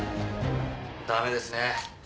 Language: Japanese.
ダメですね。